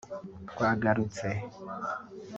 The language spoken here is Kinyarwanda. twagarutse